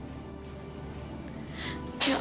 agar beliau mau menerima andre sebagai suami aku